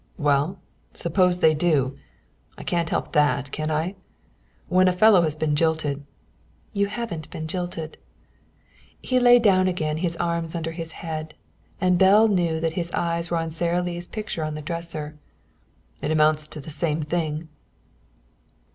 "Well, suppose they do? I can't help that, can I? When a fellow has been jilted " "You haven't been jilted." He lay down again, his arms under his head; and Belle knew that his eyes were on Sara Lee's picture on his dresser. "It amounts to the same thing."